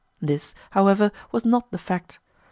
This, however, was not the fact.